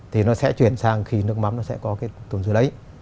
thì nó sẽ chuyển sang khi nước mắm nó sẽ có cái tồn dưa đấy